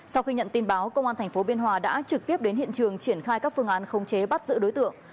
sau khi nhận tin báo công an tp biên hòa đã trực tiếp đến hiện trường triển khai các phương án khống chế bắt giữ đối tượng